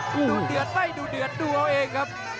ดูเดือดไม่ดูเดือดดูเอาเองครับ